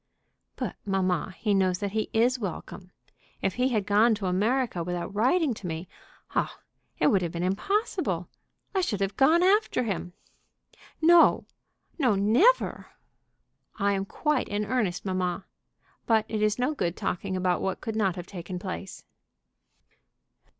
"But, mamma, he knows that he is welcome. If he had gone to America without writing to me Oh, it would have been impossible! I should have gone after him." "No, no; never!" "I am quite in earnest, mamma. But it is no good talking about what could not have taken place."